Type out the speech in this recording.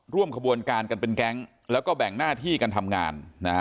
ร่วมขบวนการกันเป็นแก๊งแล้วก็แบ่งหน้าที่กันทำงาน